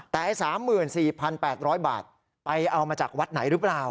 แต่๓๔๘๐๐บาทไปเอามาจากวัดไหนหรือเปล่า